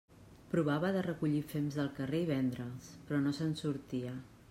Provava de recollir fems del carrer i vendre'ls, però no se'n sortia.